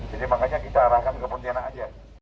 jadi makanya kita arahkan ke pertengahan aja